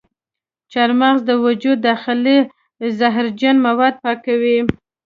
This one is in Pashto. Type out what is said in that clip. چارمغز د وجود داخلي زهرجن مواد پاکوي.